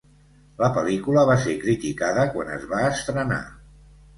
La pel·lícula va ser criticada quan es va estrenar.